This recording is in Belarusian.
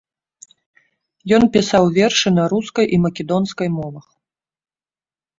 Ён пісаў вершы на рускай і македонскай мовах.